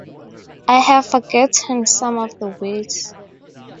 I have forgotten some of the words.